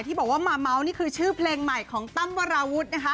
ที่บอกว่ามาเมาส์นี่คือชื่อเพลงใหม่ของตั้มวราวุฒินะคะ